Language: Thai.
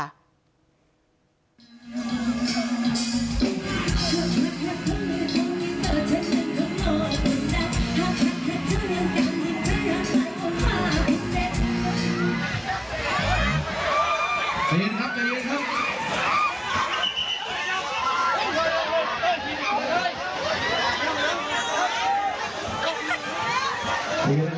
เย็นครับเย็นครับ